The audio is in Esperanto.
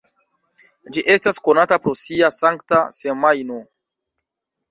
Ĝi estas konata pro sia Sankta Semajno.